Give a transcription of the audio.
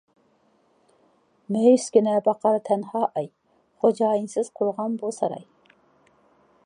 مەيۈسكىنە باقار تەنھا ئاي، خوجايىنسىز قورغان-بۇ ساراي.